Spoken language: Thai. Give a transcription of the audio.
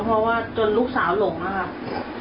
เพราะว่าจนลูกสาวหลงนะครับ